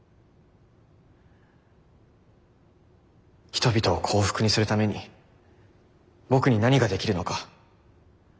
人々を幸福にするために僕に何ができるのか。